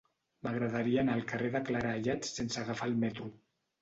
M'agradaria anar al carrer de Clarà Ayats sense agafar el metro.